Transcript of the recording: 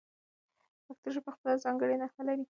پښتو ژبه خپله ځانګړې نحو لري.